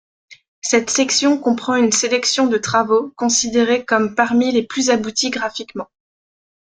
Cette section comprend une sélection de travaux considérés comme parmi les plus aboutis graphiquement.